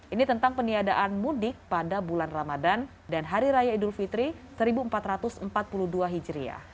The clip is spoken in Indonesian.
ini tentang peniadaan mudik pada bulan ramadan dan hari raya idul fitri seribu empat ratus empat puluh dua hijriah